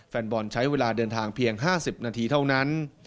แฟนบอลใช้เวลาเดินทางเพียง๕๐นาทีเท่านั้น